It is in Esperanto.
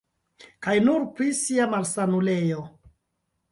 Kaj nur pri sia malsanulejo.